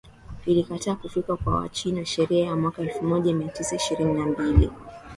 ilikataa kufika kwa Wachina sheria ya mwaka elfumoja miatisa ishirini na mbili